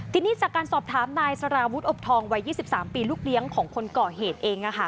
ทีนี้จากการสอบถามนายสารวุฒิอบทองวัย๒๓ปีลูกเลี้ยงของคนก่อเหตุเอง